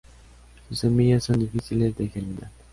Sus semillas son difíciles de germinar.